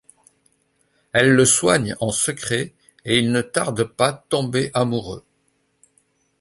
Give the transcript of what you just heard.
Elle le soigne en secret et ils ne tardent pas tomber amoureux.